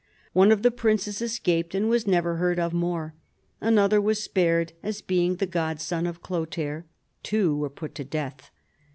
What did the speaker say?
One of the princes escaped, and was never heard of more ; another was spared as being the godson of Chlothair ; two were put to death.